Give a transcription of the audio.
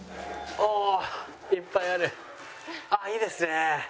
ああいいですね。